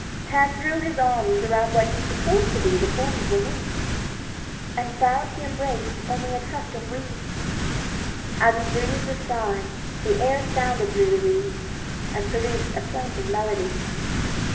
Pan threw his arms around what he supposed to be the form of the nymph, and found he embraced only a tuft of reeds! As he breathed a sigh, the air sounded through the reeds, and produced a plaintive melody.